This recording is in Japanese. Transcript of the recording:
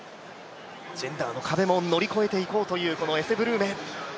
ジェンダーの壁も乗り越えていこうというエセ・ブルーメ。